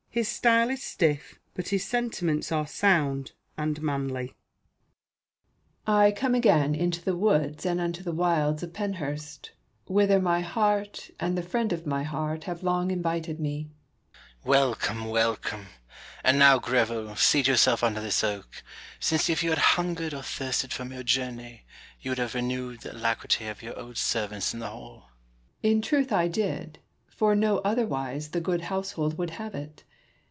His style is stiff, but his sentiments are sound and manly.] Brooke. I come again unto the woods and unto the wilds of Penshurst, whither my heart and the friend of my heart have long invited me. LORD BROOKE AND SIR PHILIP SIDNEY. 157 Sidney. Welcome, welcome ! And now, Greville, seat yourself under this oak ; since if you had hungered or thirsted from your journey, you would have renewed the alacrity of your old servants in the hall. Brooke. In truth I did ; for no otherwise the good household would have it.